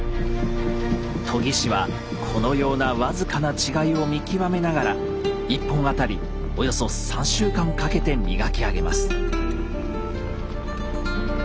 研ぎ師はこのような僅かな違いを見極めながら１本当たりおよそ３週間かけて磨き上げます。